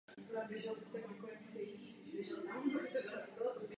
V prosinci této sezony si zahrál i na juniorském šampionátu v Malmö.